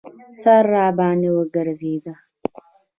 سر راباندې ګرځېده.